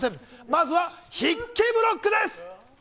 まずは、筆記ブロックです。